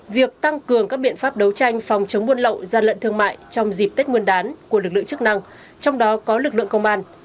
việc tăng cường các biện pháp đấu tranh phòng chống buôn lậu gian lận thương mại trong dịp tết nguyên đán của lực lượng chức năng trong đó có lực lượng công an